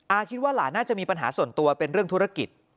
คิดว่าหลานน่าจะมีปัญหาส่วนตัวเป็นเรื่องธุรกิจ